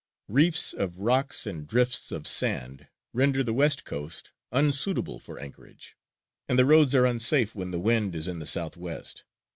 Reefs of rocks and drifts of sand render the west coast unsuitable for anchorage, and the roads are unsafe when the wind is in the south west.